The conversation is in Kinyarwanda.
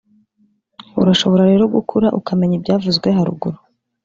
urashobora rero gukura ukamenya ibyavuzwe haruguru